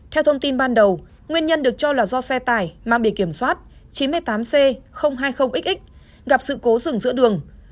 theo thông tin ban đầu nguyên nhân được cho là do xe tải mang bề kiểm soát chín mươi tám c hai mươi x gặp sự cố rừng giữa đường